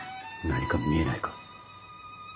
何か見えないか？